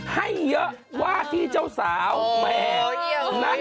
ให้เยอะว่าที่เจ้าสาวแหม